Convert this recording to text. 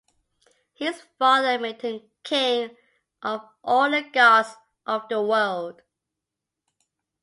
His father made him king of all the gods of the world.